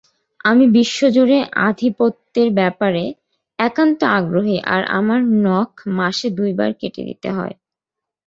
আমি বিশ্বজুড়ে আধিপত্যের ব্যাপারে একান্ত আগ্রহী আর আমার নখ মাসে দুইবার কেটে দিতে হয়।